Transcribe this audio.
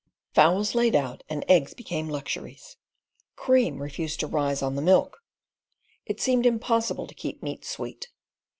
Fowls laid out and eggs became luxuries. Cream refused to rise on the milk. It seemed impossible to keep meat sweet.